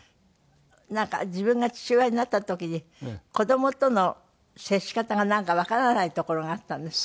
自分が父親になった時に子どもとの接し方がなんかわからないところがあったんですって？